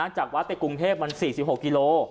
จากวัดในกรุงเทพมัน๔๖กิโล